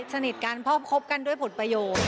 สนิทกันเพราะคบกันด้วยผลประโยชน์